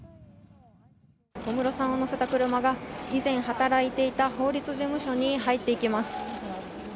小室さんを乗せた車が、以前働いていた法律事務所に入っていきます。